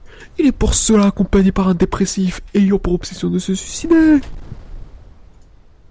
Il est pour cela accompagné par un dépressif ayant pour obsession de se suicider.